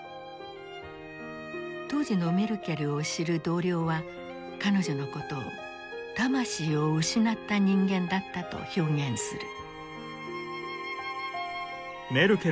当時のメルケルを知る同僚は彼女のことを「魂を失った人間」だったと表現する。